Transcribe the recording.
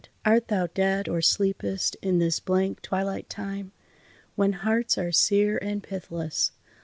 art thou dead or sleepest, in this blank, twilight time, When hearts are sere and pithless?